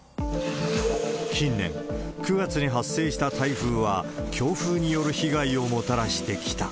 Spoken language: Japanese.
近年、９月に発生した台風は、強風による被害をもたらしてきた。